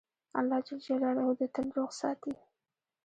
الله ج دي تل روغ ساتی